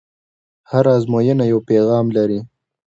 هره ازموینه یو پیغام لري.